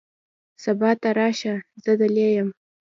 سبا ته راشه ، زه دلې یم .